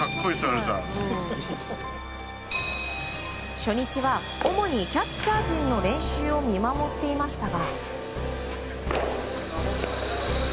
初日は主にキャッチャー陣の練習を見守っていましたが。